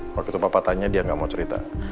waktu itu papa tanya dia gak mau cerita